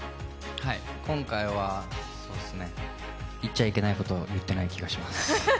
今回は言っちゃいけないことを言っていない気がいます。